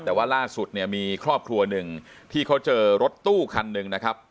แต่ว่าล่าสุดเนี่ยมีครอบครัวหนึ่งที่เขาเจอรถตู้คันหนึ่งนะครับ